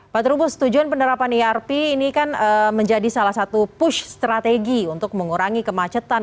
pak trubus tujuan penerapan irp ini kan menjadi salah satu push strategi untuk mengurangi kemacetan